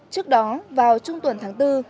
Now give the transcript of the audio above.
trước đó vào trung tuần tháng tư